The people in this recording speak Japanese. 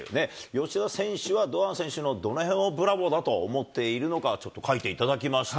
吉田選手は堂安選手のどのへんをブラボーだと思っているのか、ちょっと書いていただきました。